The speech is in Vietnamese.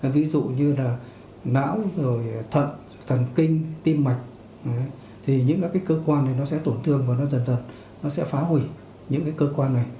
ví dụ như là não rồi thận thần kinh tim mạch thì những các cơ quan này nó sẽ tổn thương và nó dần dần nó sẽ phá hủy những cái cơ quan này